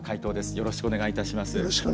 よろしくお願いします。